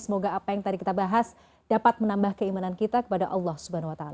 semoga apa yang tadi kita bahas dapat menambah keimanan kita kepada allah swt